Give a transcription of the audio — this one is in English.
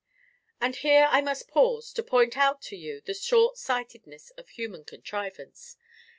And here I must pause, to point out to you the short sightedness of human contrivance.